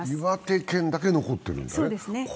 岩手県だけ残っているんだね。